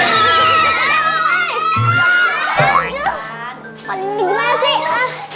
assalamualaikum warahmatullahi wabarakatuh ya allah